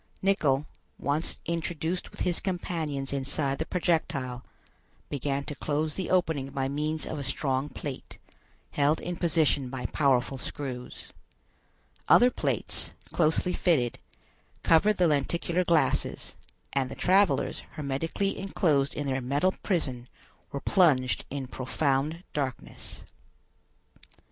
Nicholl, once introduced with his companions inside the projectile, began to close the opening by means of a strong plate, held in position by powerful screws. Other plates, closely fitted, covered the lenticular glasses, and the travelers, hermetically enclosed in their metal prison, were plunged in profound darkness.